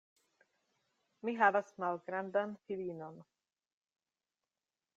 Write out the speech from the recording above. Mi havas malgrandan filinon.